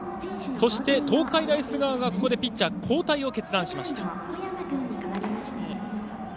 そして、東海大菅生がここでピッチャー交代を決断しました。